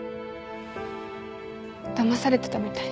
だまされてたみたい。